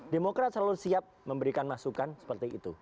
demokrat selalu siap memberikan masukan seperti itu